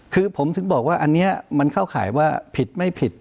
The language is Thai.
คือผมถึงบอกว่าอันนี้มันเข้าข่ายว่าผิดไม่ผิด